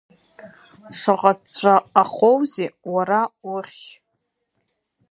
Шаҟа ҵәҵәа ахоузеи, уара, ухьшь?